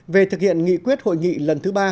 về thực hiện nghị quyết hội nghị lần thứ ba